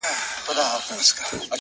موري ډېوه دي ستا د نور د شفقت مخته وي;